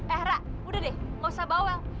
eh era udah deh gak usah bawel